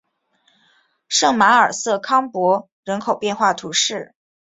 圣马尔瑟康珀人口变化图示